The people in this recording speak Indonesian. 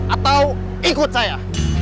atau ikut saya